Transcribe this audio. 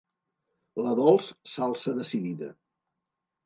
La Dols s'alça decidida.